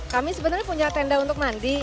kami sebenarnya punya tenda untuk mandi